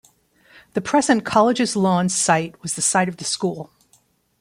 The present College's Lawns Site was the site of the school.